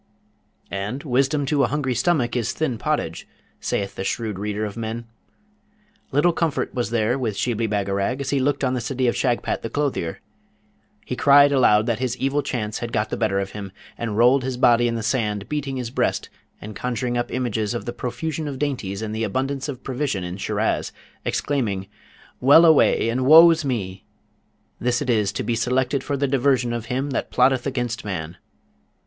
And 'wisdom to a hungry stomach is thin pottage,' saith the shrewd reader of men. Little comfort was there with Shibli Bagarag, as he looked on the city of Shagpat the clothier! He cried aloud that his evil chance had got the better of him, and rolled his body in the sand, beating his breast, and conjuring up images of the profusion of dainties and the abundance of provision in Shiraz, exclaiming, 'Well a way and woe's me! this it is to be selected for the diversion of him that plotteth against man.'